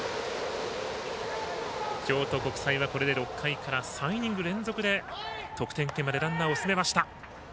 京都国際はこれで６回から３イニング連続で得点圏までランナーを進めました。